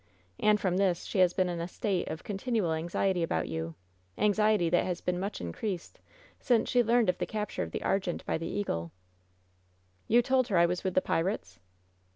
And from this she has been in a state of continual anxiety about you — anxiety that has been much in creased since she learned of the capture of the Argente by the Eagle/' "You told her I was with the pirates?"